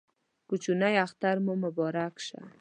کوچینۍ اختر مو مبارک شه